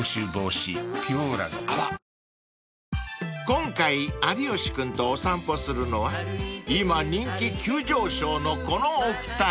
［今回有吉君とお散歩するのは今人気急上昇のこのお二人］